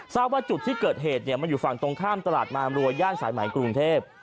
ทราบว่าจุดที่เกิดเหตุมันอยู่ฝั่งตรงข้ามตลาดมามรัวย่านสายไหมกรุงเทพ